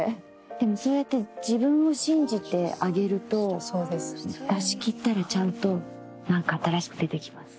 でもそうやって自分を信じてあげると出し切ったらちゃんと何か新しく出て来ます。